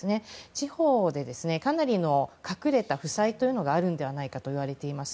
地方でかなりの隠れた負債があるのではないかといわれています。